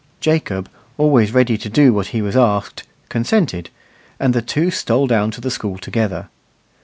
Jacob, always ready to do what he was asked, consented, and the two stole down to the school together.